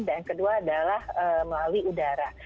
dan kedua adalah melalui udara